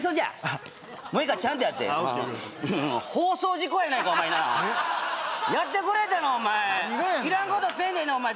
あっもういいからちゃんとやって放送事故やないかお前なやってくれたなお前何がやねんいらんことせえねんなお前